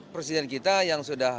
presiden kita yang sudah